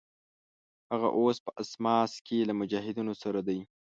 هغه اوس په اسماس کې له مجاهدینو سره دی.